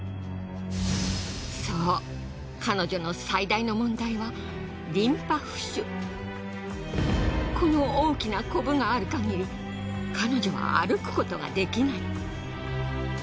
そう彼女の最大の問題はこの大きなコブがあるかぎり彼女は歩くことができない。